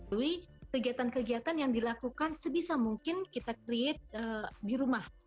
lalui kegiatan kegiatan yang dilakukan sebisa mungkin kita create di rumah